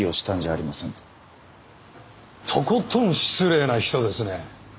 とことん失礼な人ですね。